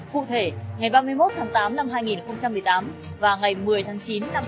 cụ thể ngày ba mươi một tháng tám năm hai nghìn một mươi tám